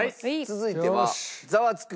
続いてはザワつく！